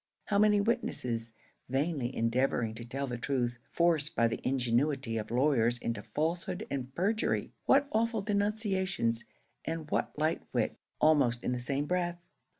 How many witnesses, vainly endeavouring to tell the truth, forced by the ingenuity of lawyers into falsehood and perjury! What awful denunciations and what light wit, almost in the same breath!